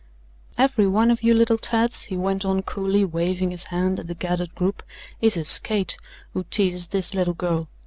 "Every one of you little tads," he went on coolly, waving his hand at the gathered group, "is a skate who teases this little girl.